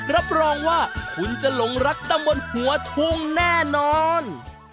รับรองว่าคุณจะหลงรักตำบลหัวทุ่งแน่นอน